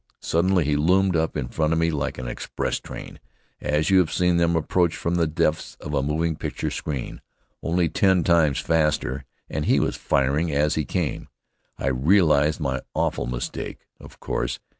Suddenly he loomed up in front of me like an express train, as you have seen them approach from the depths of a moving picture screen, only ten times faster; and he was firing as he came. I realized my awful mistake, of course.